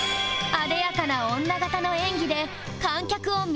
あでやかな女形の演技で観客を魅了